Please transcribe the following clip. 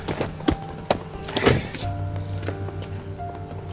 aku mau main apa sih